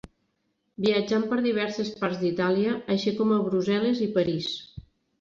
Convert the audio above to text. Viatjant per diverses parts d'Itàlia així com a Brussel·les i París.